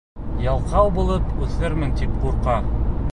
Ялҡау булып үҫермен тип ҡурҡа.